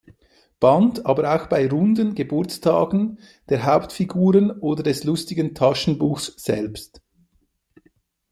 Band, aber auch bei runden „Geburtstagen“ der Hauptfiguren oder des "Lustigen Taschenbuchs" selbst.